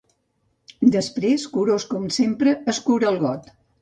Després, curós com sempre, escura el got.